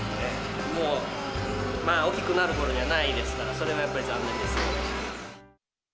もう、大きくなるころにはないですから、それがやっぱり残念ですけど。